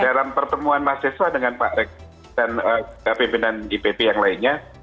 dalam pertemuan mahasiswa dengan pak rek dan pimpinan dpp yang lainnya